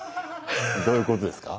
どういうことですか？